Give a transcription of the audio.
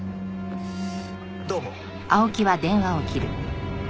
どうも。